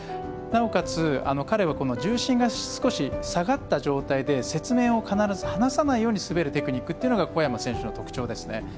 なおかつ、彼は重心が少し下がった状態で雪面を必ず離さないように滑るテクニックというのが小山選手の特徴です。